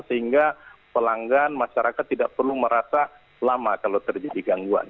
sehingga pelanggan masyarakat tidak perlu merasa lama kalau terjadi gangguan